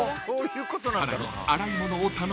［さらに］